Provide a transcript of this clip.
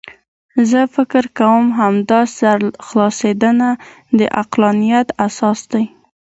زه فکر کوم همدا سرخلاصېدنه د عقلانیت اساس دی.